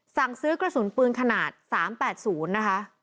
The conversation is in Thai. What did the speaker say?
สั่งซื้อกระสุนปืนขนาด๓๘๐นะคะ